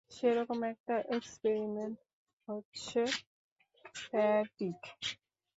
সেরকম একটা এক্সপেরিমেন্ট হচ্ছে ফ্যাটিগ।